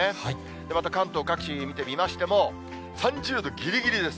また関東各地、見てみましても、３０度ぎりぎりです。